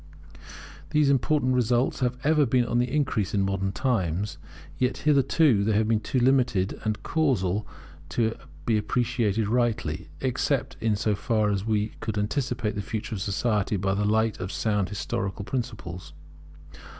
These important results have been ever on the increase in modern times; yet hitherto they have been too limited and casual to be appreciated rightly, except so far as we could anticipate the future of society by the light of sound historical principles.